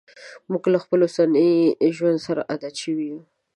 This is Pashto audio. موږ له خپل اوسني ژوند سره عادت شوي یو.